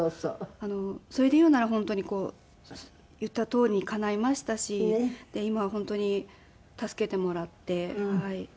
それで言うなら本当にこう言ったとおりにかないましたし今本当に助けてもらって。